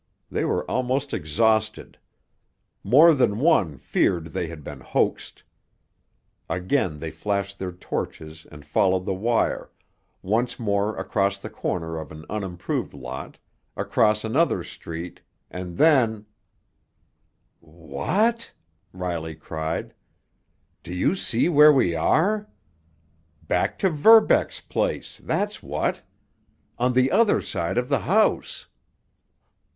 They were almost exhausted; more than one feared they had been hoaxed. Again they flashed their torches and followed the wire, once more across the corner of an unimproved lot, across another street, and then—— "Wh what?" Riley cried. "Do you see where we are? Back to Verbeck's place—that's what! On the other side of the house!"